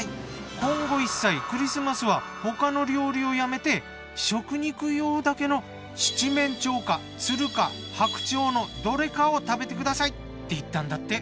今後一切クリスマスは他の料理をやめて食肉用だけの「七面鳥」か「鶴」か「白鳥」のどれかを食べて下さいって言ったんだって。